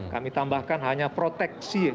kami tambahkan hanya proteksi